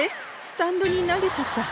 スタンドに投げちゃった。